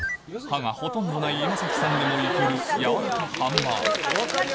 歯がほとんどない今崎さんでも、いける柔らかハンバーグ。